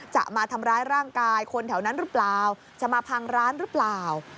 จะมาทำร้ายร่างกายคนแถวนั้นหรือเปล่าจะมาพังร้านหรือเปล่า